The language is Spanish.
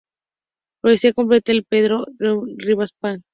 Poesía Completa de Pedro Geoffroy Rivas, pág.